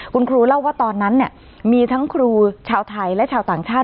คุณครูเล่าว่าตอนนั้นมีทั้งครูชาวไทยและชาวต่างชาติ